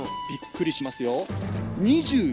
びっくりしますよ。